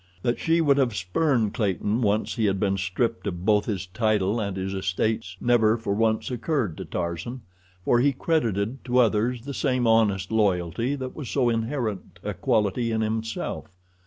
That she would have spurned Clayton once he had been stripped of both his title and his estates never for once occurred to Tarzan, for he credited to others the same honest loyalty that was so inherent a quality in himself.